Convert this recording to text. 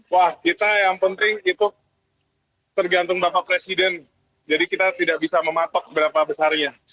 wah kita yang penting itu tergantung bapak presiden jadi kita tidak bisa mematok berapa besarnya